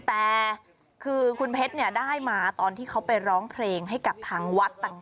แต่คือคุณเพชรได้มาตอนที่เขาไปร้องเพลงให้กับทางวัดต่าง